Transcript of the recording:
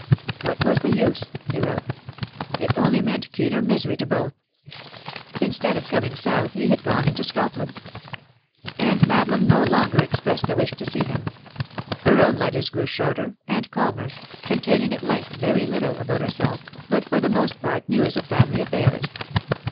What was the use? he wrote. It only meant keener misery to both. Instead of coming south, he had gone into Scotland. And Madeline no longer expressed a wish to see him. Her own letters grew shorter and calmer, containing at length very little about herself, but for the most part news of family affairs.